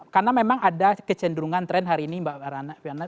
karena memang ada kecenderungan tren hari ini mbak rana